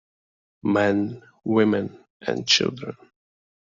Men, women and children.